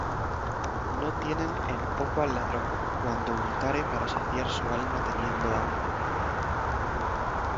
No tienen en poco al ladrón, cuando hurtare Para saciar su alma teniendo hambre: